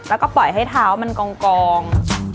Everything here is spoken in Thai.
แล้วก็ปล่อยให้เท้ามันกอง